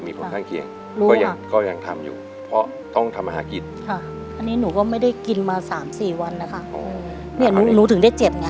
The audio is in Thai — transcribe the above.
มีข้างเคียง